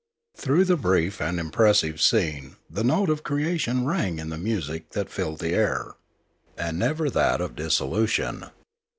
Through the brief and impressive scene the note of creation rang in the music that filled the air, and never that of dissolution.